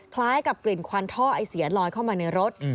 คล้ายกับกลิ่นควันท่อไอเสียลอยเข้ามาในรถ